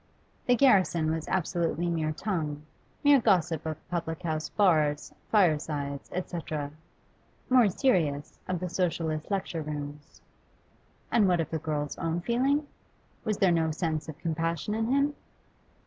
The garrison was absolutely mere tongue, mere gossip of public house bars, firesides, etc. more serious, of the Socialist lecture rooms. And what of the girl's own feeling? Was there no sense of compassion in him?